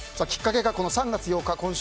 きっかけが３月８日